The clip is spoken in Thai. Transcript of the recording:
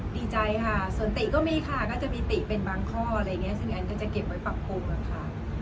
ดีใจค่ะส่วนติก็มีค่ะก็จะมีติเป็นบางข้ออะไรอย่างนี้ซึ่งแอนก็จะเก็บไว้ปรับปรุงอะค่ะ